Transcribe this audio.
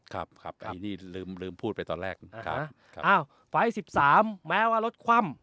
ครับครับอันนี้ลืมลืมพูดไปตอนแรกนะครับอ้าวไฟล์สิบสามแม้ว่ารถคว่ำ